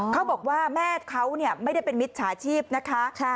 เขาบอกว่าแม่เขาไม่ได้เป็นมิจฉาชีพนะคะ